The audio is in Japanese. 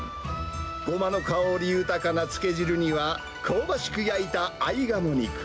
ゴマの香り豊かなつけ汁には、香ばしく焼いた合鴨肉。